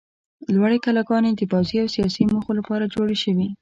لوړې کلاګانې د پوځي او سیاسي موخو لپاره جوړې شوې.